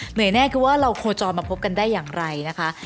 แน่คือว่าเราโคจรมาพบกันได้อย่างไรนะคะ